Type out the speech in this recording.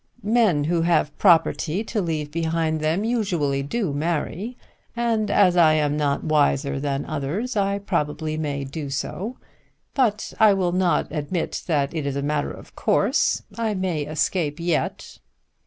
"Men who have property to leave behind them usually do marry, and as I am not wiser than others, I probably may do so. But I will not admit that it is a matter of course. I may escape yet."